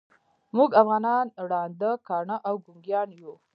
موږ افغانان ړانده، کاڼه او ګونګیان یوو.